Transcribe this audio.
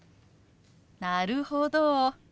なるほど。